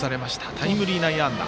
タイムリー内野安打。